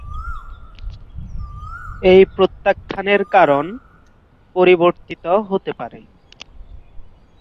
এই প্রত্যাখ্যানের কারণ পরিবর্তিত হতে পারে।